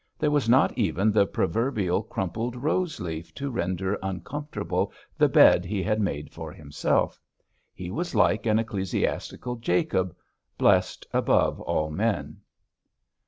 There was not even the proverbial crumpled rose leaf to render uncomfortable the bed he had made for himself. He was like an ecclesiastical Jacob blessed above all men.